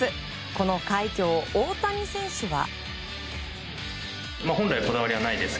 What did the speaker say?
この快挙を大谷選手は。